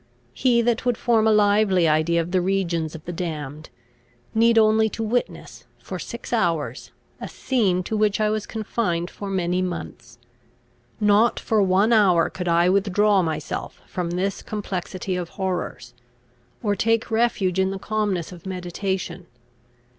He that would form a lively idea of the regions of the damned, need only to witness, for six hours, a scene to which I was confined for many months. Not for one hour could I withdraw myself from this complexity of horrors, or take refuge in the calmness of meditation.